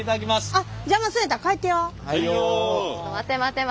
あっ！